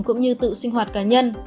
cũng như tự sinh hoạt cá nhân